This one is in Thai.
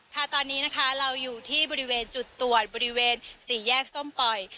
ค่ะตอนนี้นะคะเราอยู่ที่บริเวณจุดตรวจบริเวณสี่แยกส้มปล่อย